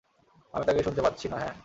আমি তাকে শুনতে পাচ্ছি না হ্যাঁ!